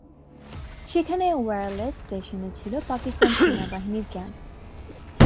সেখানে ওয়্যারলেস স্টেশনে ছিল পাকিস্তান সেনাবাহিনীর ক্যাম্প।